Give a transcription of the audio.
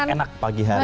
enak enak pagi hari